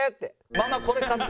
ママこれ買って！